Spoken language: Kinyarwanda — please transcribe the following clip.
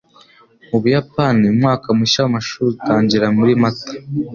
Mu Buyapani umwaka mushya w’amashuri utangira muri Mata.